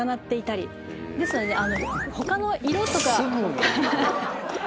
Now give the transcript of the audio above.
ですので他の色とか。